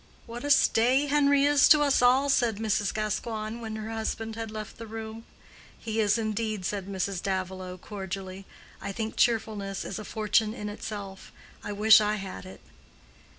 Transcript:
"What a stay Henry is to us all!" said Mrs. Gascoigne, when her husband had left the room. "He is indeed," said Mrs. Davilow, cordially. "I think cheerfulness is a fortune in itself. I wish I had it."